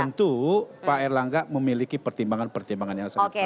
tentu pak erlangga memiliki pertimbangan pertimbangan yang sangat kuat